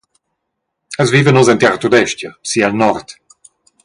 Els vivan ussa en Tiaratudestga, si el nord.